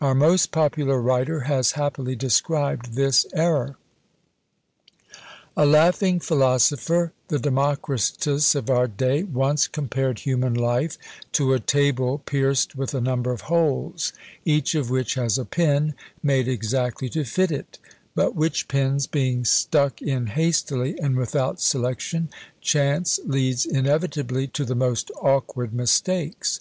Our most popular writer has happily described this error. "A laughing philosopher, the Democritus of our day, once compared human life to a table pierced with a number of holes, each of which has a pin made exactly to fit it, but which pins being stuck in hastily, and without selection, chance leads inevitably to the most awkward mistakes.